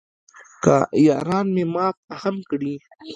که یاران مې معاف هم کړي.